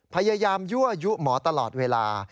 พยายามยั่วยุหมอตลอดเวลา